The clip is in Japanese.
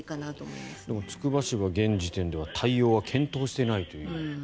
でもつくば市は現時点では対応を検討していないという。